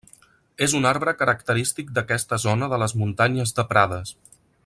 És un arbre característic d'aquesta zona de les muntanyes de Prades.